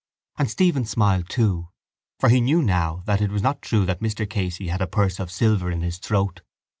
And Stephen smiled too for he knew now that it was not true that Mr Casey had a purse of silver in his throat.